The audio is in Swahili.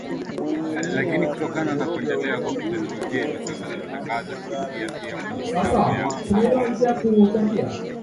Lakini kutokana na kuendelea kwa teknolojia hivi sasa tunatangaza kupitia pia kwenye mitambo ya masafa marefu kupitia redio zetu shirika za kanda ya Afrika Mashariki na Kati